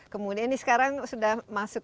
kemudian ini sekarang sudah masuk